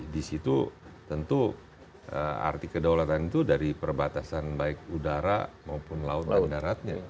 di situ tentu arti kedaulatan itu dari perbatasan baik udara maupun laut dan daratnya